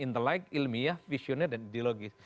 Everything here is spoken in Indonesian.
biar terkesan interlike ilmiah visioner dan dialogis